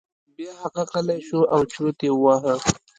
بیا هغه غلی شو او چرت یې وواهه.